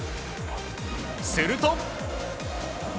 すると。